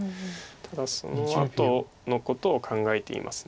ただそのあとのことを考えています。